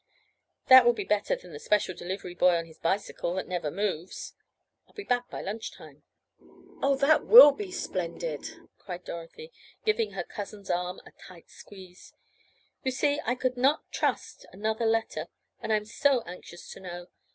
That will be better than the special delivery boy on his bicycle that never moves. I'll be back by lunch time." "Oh, that will be splendid!" cried Dorothy, giving her cousin's arm a tight squeeze. "You see I could not trust another letter, and I'm so anxious to know.